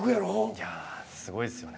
いやすごいですよね